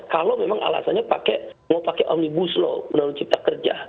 kalau memang alasannya mau pakai omnibus law undang undang cipta kerja